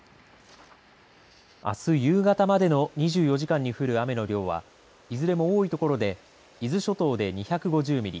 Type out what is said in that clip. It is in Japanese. あす夕方までの２４時間に降る雨の量はいずれも多いところで伊豆諸島で２５０ミリ